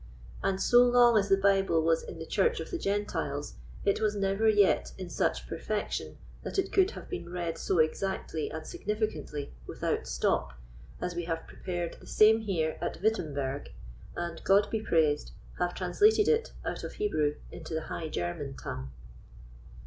And so long as the Bible was in the Church of the Gentiles, it was never yet in such perfection, that it could have been read so exactly and significantly without stop, as we have prepared the same here at Wittemberg, and, God be praised, have translated it out of Hebrew into the High German tongue.